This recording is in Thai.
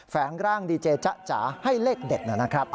แฝงร่างดีเจจ๊ะจ๋าให้เลขเด็ดนะครับ